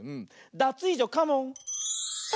ダツイージョカモン！